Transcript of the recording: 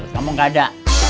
kamu gak ada